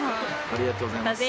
ありがとうございます。